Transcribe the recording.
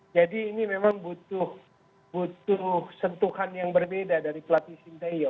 jadi ini memang butuh sentuhan yang berbeda dari pelatih sinteyo